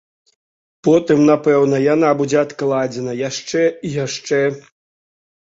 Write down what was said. Потым, напэўна, яна будзе адкладзена яшчэ і яшчэ.